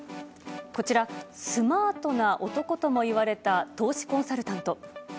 こちら、スマートな男ともいわれた投資コンサルタント。